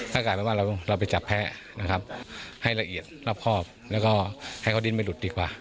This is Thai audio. ก็กลายเป็นว่าเราไปจับแพ้นะครับให้ละเอียดรอบครอบแล้วก็ให้เขาดิ้นไม่หลุดดีกว่า